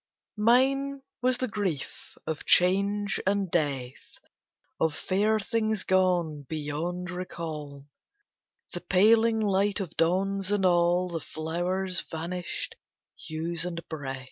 Mine was the grief of Change and Death, Of fair things gone beyond recall, The paling light of dawns, and all The flowers' vanished hues and breath.